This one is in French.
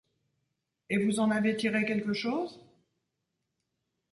Et vous en avez tiré quelque chose ?